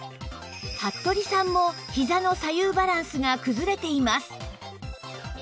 服部さんもひざの左右バランスが崩れています